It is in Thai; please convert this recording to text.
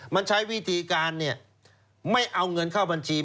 มันใช้วิธีการไม่เอาเงินเข้าบัญชี